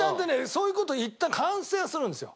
そういう事いったん反省はするんですよ。